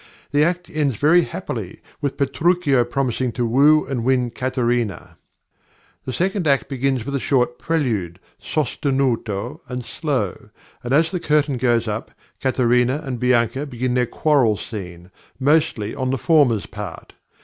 The act ends very happily, with Petruchio promising to woo and win Katharina. The second act starts with a short prelude, sostenuto and slow, and as the curtain goes up Katharina and Bianca begin their quarrel scene, mostly on the former's part.